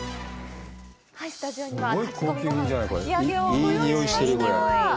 スタジオには炊き込みご飯とかき揚げをご用意しました。